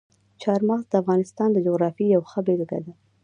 چار مغز د افغانستان د جغرافیې یوه ښه بېلګه ده.